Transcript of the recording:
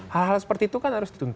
hal hal seperti itu kan harus ditunggu